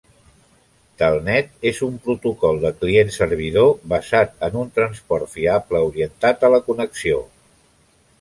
Telnet és un protocol de client-servidor basat en un transport fiable orientat a la connexió.